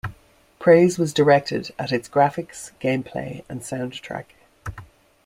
Praise was directed at its graphics, gameplay, and soundtrack.